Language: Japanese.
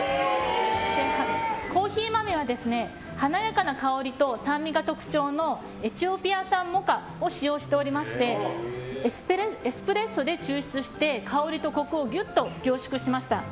コーヒー豆は華やかな香りと酸味が特徴のエチオピア産モカを使用しておりましてエスプレッソで抽出して香りとコクをギュッと凝縮しました。